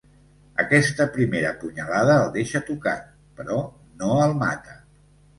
Aquesta primera punyalada el deixa tocat, però no el mata.